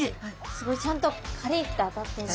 すごいちゃんとカリッて当たって。